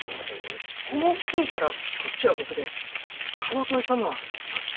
この線からこっちは僕で川越さんのはそっち。